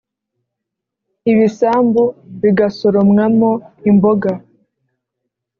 Ibisambu bigasoromwamo imboga